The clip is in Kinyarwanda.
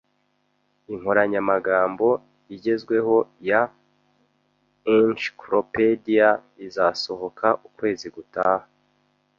Inkoranyamagambo igezweho ya encyclopedia izasohoka ukwezi gutaha